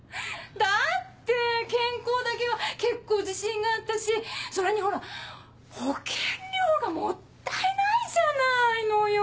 だって健康だけは結構自信があったしそれにほら保険料がもったいないじゃないのよ。